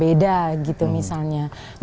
jadi ini adalah hal yang sangat berbeda